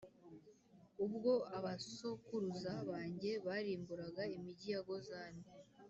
Ubwo abasokuruza banjye barimburaga imigi ya Gozani,